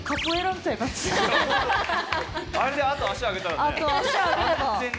あれであと足上げたらねえ？